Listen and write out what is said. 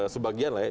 sebagian lah ya